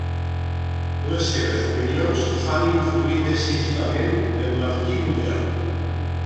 Les seves opinions fan influir decisivament en Martí Luter.